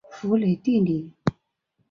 弗雷蒂尼。